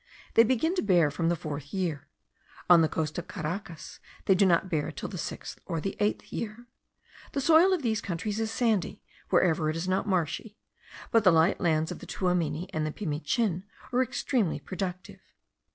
They begin to bear from the fourth year; on the coast of Caracas they do not bear till the sixth or eighth year. The soil of these countries is sandy, wherever it is not marshy; but the light lands of the Tuamini and Pimichin are extremely productive.